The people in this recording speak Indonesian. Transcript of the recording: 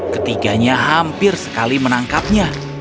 ketiganya hampir sekali menangkapnya